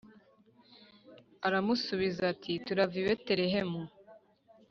Aramusubiza ati Turava i Betelehemu